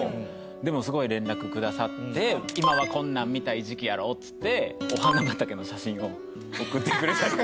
でもすごい連絡くださって「今はこんなん見たい時期やろ」っつってお花畑の写真を送ってくれたりとか。